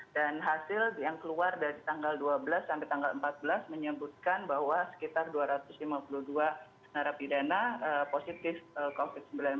dan hasil yang keluar dari tanggal dua belas sampai tanggal empat belas menyebutkan bahwa sekitar dua ratus lima puluh dua narapidana positif covid sembilan belas